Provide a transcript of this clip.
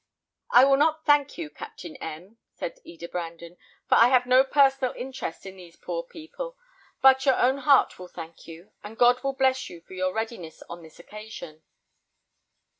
"I will not thank you, Captain M ," said Eda Brandon, "for I have no personal interest in these poor people; but your own heart will thank you, and God will bless you for your readiness on this occasion."